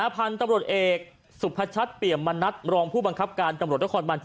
พันธุ์ตำรวจเอกสุพชัดเปี่ยมมณัฐรองผู้บังคับการตำรวจนครบัน๗